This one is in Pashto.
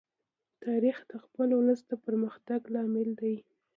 تاریخ د خپل ولس د پرمختګ لامل دی.